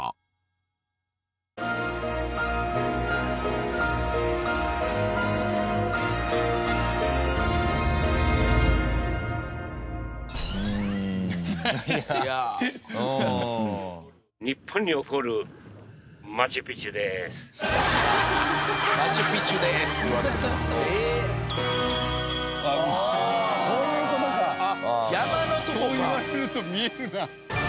そう言われると見えるな。